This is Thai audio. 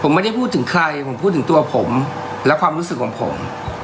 ผมไม่ได้พูดถึงใครผมพูดถึงตัวผมและความรู้สึกของผม